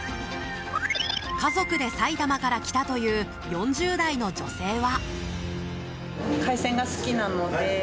家族で埼玉から来たという４０代の女性は。